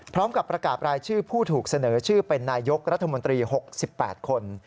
พร้อมกับประกาศรายชื่อผู้ถูกเสนอชื่อเป็นนายกรัฐมนตรี๖๘คน